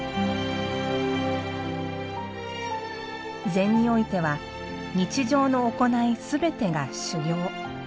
禅においては日常の行いすべてが修行。